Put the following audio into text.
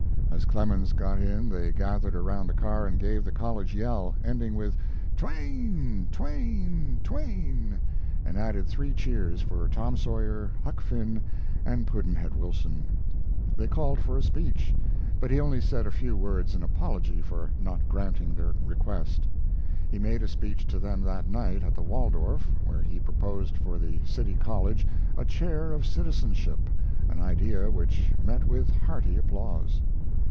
As Clemens got in they gathered around the car and gave the college yell, ending with "Twain! Twain! Twain!" and added three cheers for Tom Sawyer, Huck Finn, and Pudd'nhead Wilson. They called for a speech, but he only said a few words in apology for not granting their request. He made a speech to them that night at the Waldorf where he proposed for the City College a chair of citizenship, an idea which met with hearty applause.